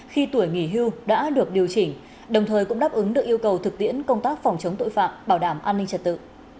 khi tuổi nghỉ hưu đã được điều chỉnh đồng thời cũng đáp ứng được yêu cầu thực tiễn công tác phòng chống tội phạm bảo đảm an ninh trật tự